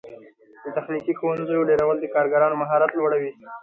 د تخنیکي ښوونځیو ډیرول د کارګرانو مهارت لوړوي.